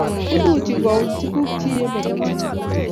Imuchi ko uny tuguk chi ye mamachei